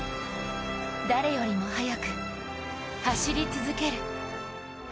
誰よりも速く、走り続ける。